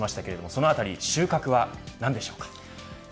そのあたり収穫は何でしょうか。